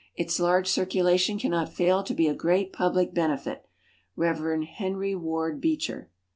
Its large circulation cannot fail to be of great public benefit. Rev. HENRY WARD BEECHER.